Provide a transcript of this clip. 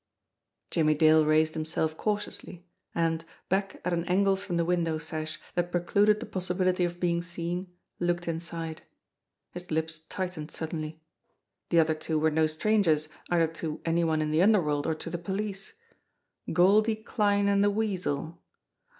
Jimmie Dale raised himself cautiously, and, back at an angle from the window sash that precluded the possibility of being seen, looked inside. His lips tightened suddenly. The other two were no strangers, either to any one in the under world or to the police. Goldie Kline and the Weasel